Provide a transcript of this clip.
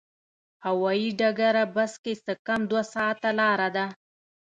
هوایي ډګره بس کې څه کم دوه ساعته لاره ده.